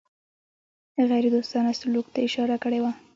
غیردوستانه سلوک ته اشاره کړې وه.